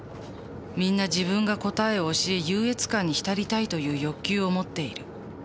みんな自分が答えを教え優越感に浸りたいという欲求を持っている。